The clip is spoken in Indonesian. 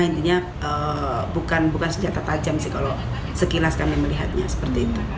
intinya bukan senjata tajam sih kalau sekilas kami melihatnya seperti itu